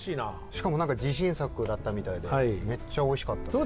しかも自信作だったみたいでめっちゃおいしかったです。